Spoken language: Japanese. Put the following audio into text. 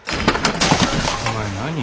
お前何？